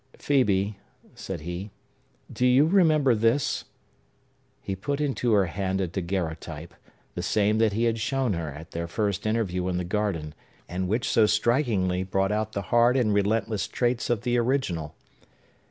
"Phœbe," said he, "do you remember this?" He put into her hand a daguerreotype; the same that he had shown her at their first interview in the garden, and which so strikingly brought out the hard and relentless traits of the original.